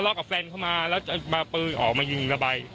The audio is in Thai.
ค่ะเรากับแฟนเขามาแล้วพืชมาออกมายิงนะใบ